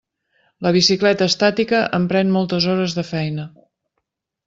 La bicicleta estàtica em pren moltes hores de feina.